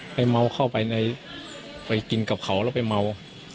เมาเข้าไปกินกับเขาแล้วไปเมา